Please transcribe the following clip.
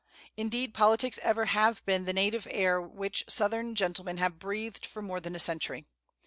Indeed, politics ever have been the native air which Southern gentlemen have breathed for more than a century.